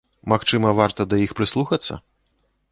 Магчыма, варта да іх прыслухацца?